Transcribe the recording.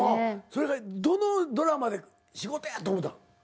それがどのドラマで仕事や！と思たん？